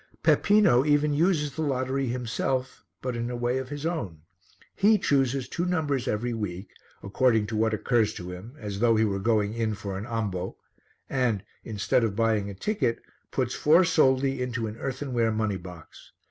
Peppino even uses the lottery himself, but in a way of his own. He chooses two numbers every week, according to what occurs to him as though he were going in for an ambo and, instead of buying a ticket, puts four soldi into an earthenware money box.